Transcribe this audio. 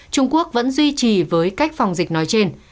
trung quốc vẫn duy trì với cách phòng dịch nói trên